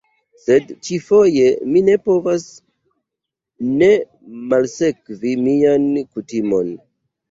Sed ĉi-foje mi ne povas ne malsekvi mian kutimon.